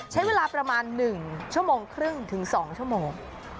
ใช้เวลาประมาณ๑ชั่วโมงครึ่งถึง๒ชั่วโมง